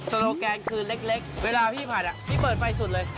โลแกนคืนเล็กเวลาพี่ผัดพี่เปิดไฟสุดเลย